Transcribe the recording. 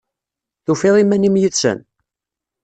Tufiḍ iman-im yid-sen?